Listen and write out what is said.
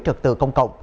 trật tự công cộng